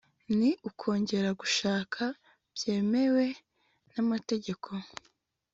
ni ukongera gushaka byemewe n'amategeko